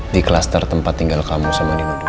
di klaster tempat tinggal kamu sama dino dulu